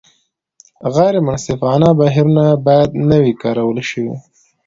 غیر منصفانه بهیرونه باید نه وي کارول شوي.